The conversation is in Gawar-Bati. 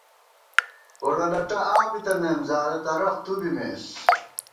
بُڑہ لٹہ آں بِتنئیم ، زارہ ترخ تُو بِمېس